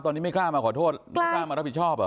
ตอนนี้ไม่กล้ามาขอโทษไม่กล้ามารับผิดชอบเหรอ